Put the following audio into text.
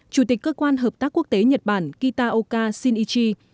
chủ tịch cơ quan hợp tác quốc tế nhật bản kitaoka shinichi